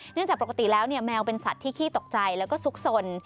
จากปกติแล้วแมวเป็นสัตว์ที่ขี้ตกใจแล้วก็ซุกสน